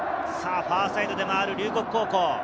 ファーサイドで回る龍谷高校。